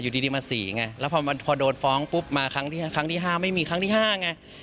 ดีมา๔ไงแล้วพอโดนฟ้องปุ๊บมาครั้งที่๕ไม่มีครั้งที่๕ไง